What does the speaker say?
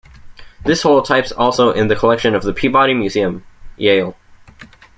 This holotype's also in the collection of the Peabody Museum, Yale.